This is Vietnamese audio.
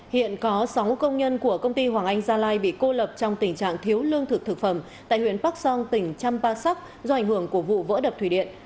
hiện có sáu công nhân của công ty hoàng anh gia lai bị cô lập trong tình trạng thiếu lương thực thực phẩm tại huyện park song tỉnh champa sok do ảnh hưởng của vụ vỡ đập thủy điện